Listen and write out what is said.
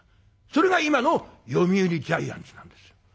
それが今の読売ジャイアンツなんですよ。